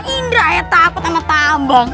ini kan cuma tambang